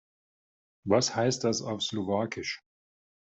Was heißt das auf Slowakisch?